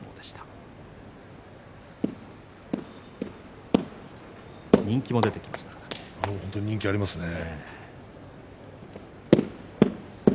本当に人気がありますね。